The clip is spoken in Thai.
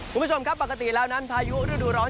คุณผู้ชมครับปกติแล้วนั้นพายุฤดูร้อน